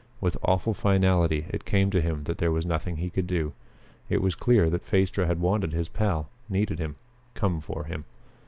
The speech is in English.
With awful finality it came to him that there was nothing he could do. It was clear that Phaestra had wanted his pal, needed him come for him.